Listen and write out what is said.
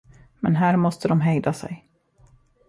Men här måste de hejda sig.